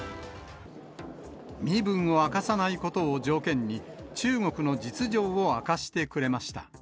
身分を明かさないことを条件に、中国の実情を明かしてくれました。